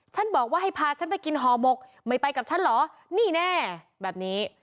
บอกว่าให้พาฉันไปกินห่อหมกไม่ไปกับฉันเหรอนี่แน่แบบนี้